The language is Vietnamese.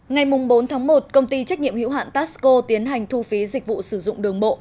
ngày bốn tháng một công ty trách nhiệm hữu hạn taxco tiến hành thu phí dịch vụ sử dụng đường bộ